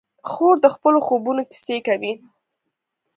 خور د خپلو خوبونو کیسې کوي.